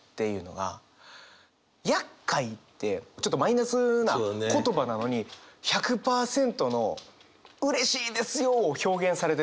「厄介」ってちょっとマイナスな言葉なのに１００％のうれしいですよを表現されてる感覚なんですよね。